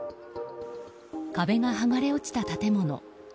壁が剥がれ落ちた建物。